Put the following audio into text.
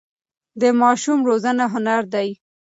د ماشوم روزنه هنر دی.